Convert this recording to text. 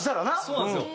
そうなんですよ。